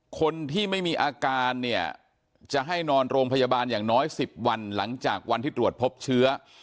คนที่ไม่มีอาการเนี่ยจะให้นอนโรงพยาบาลอย่างน้อย๑๐วันหลังจากวันที่ตรวจพบเชื้อ